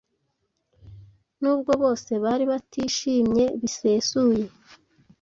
nubwo bose bari batishimye bisesuye,